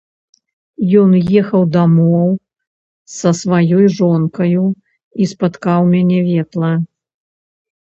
Ён ехаў дамоў са сваёй жонкаю і спаткаў мяне ветла.